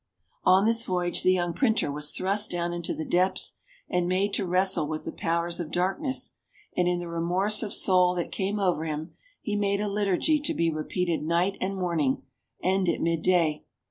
On this voyage the young printer was thrust down into the depths and made to wrestle with the powers of darkness; and in the remorse of soul that came over him he made a liturgy to be repeated night and morning, and at midday.